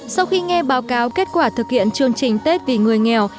sau khi nghe báo cáo kết quả thực hiện chương trình tết vì người nghèo